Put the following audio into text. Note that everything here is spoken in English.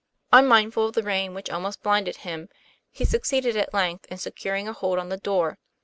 Unmindful of the rain which almost blinded him, lie succeeded at length in securing a hold on the door.